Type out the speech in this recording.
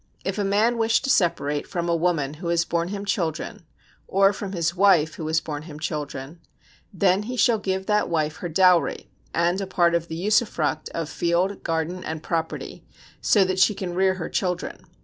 If a man wish to separate from a woman who has borne him children, or from his wife who has borne him children: then he shall give that wife her dowry, and a part of the usufruct of field, garden and property, so that she can rear her children.